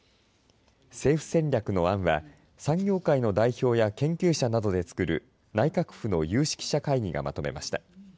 政府戦略の案は産業界の代表や研究者などでつくる内閣府の有識者会議がまとめました。